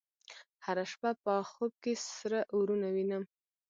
هره شپه په خوب کې سره اورونه وینم